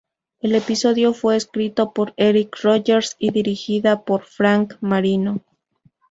El episodio fue escrito por Eric Rogers y dirigida por Frank Marino.